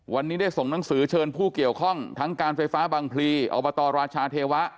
วันนี้ได้ส่งหนังสือเชิญผู้เกี่ยวข้องทั้งการไฟฟ้าบางพลีอบตราชาเทวะ